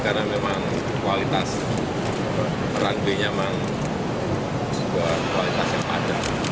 karena memang kualitas perangkulnya memang sebuah kualitas yang padat